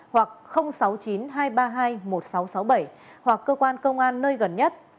hoặc sáu mươi chín hai trăm ba mươi hai một nghìn sáu trăm sáu mươi bảy hoặc cơ quan công an nơi gần nhất